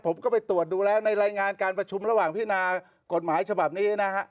ผมก็ไปตรวจดูแล้วในรายงานการประชุมระหว่างพินากฎหมายฉบับนี้นะฮะ